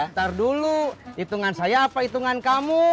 ntar dulu hitungan saya apa hitungan kamu